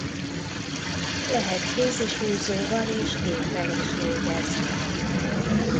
Lehet kézisúlyzóval és géppel is végezni.